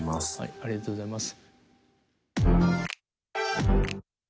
ありがとうございます。